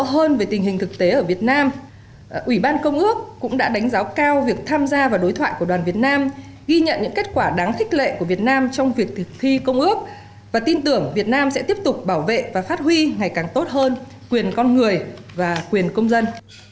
hơn về tình hình thực tế ở việt nam ủy ban công ước cũng đã đánh giá cao việc tham gia vào đối thoại của đoàn việt nam ghi nhận những kết quả đáng khích lệ của việt nam trong việc thực thi công ước và tin tưởng việt nam sẽ tiếp tục bảo vệ và phát huy ngày càng tốt hơn quyền con người và quyền công dân